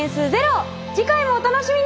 次回もお楽しみに！